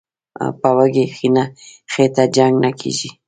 "په وږي خېټه جنګ نه کېږي".